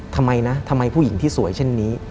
ทำไมนะทำไมผู้หญิงที่สวยเช่นนี้